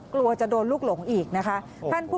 กลัวจะโดนลูกหลงอีกนะคะ